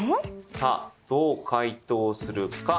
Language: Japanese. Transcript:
さあどう解答するか。